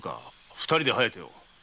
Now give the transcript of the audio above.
二人で「疾風」を。